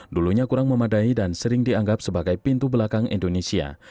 dulunya kurang memadai dan sering dianggap sebagai pintu belakang indonesia